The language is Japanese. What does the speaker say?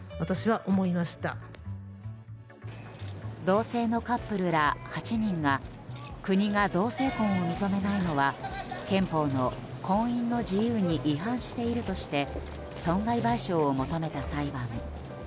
同性のカップルら８人が国が同性婚を認めないのは憲法の婚姻の自由に違反しているとして損害賠償を求めた裁判。